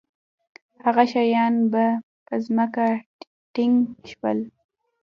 هغه شیان به په ځمکه ټینګ شول.